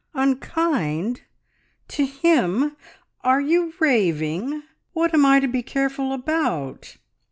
"Unkind! To him! Are you raving? What am I to be careful about?"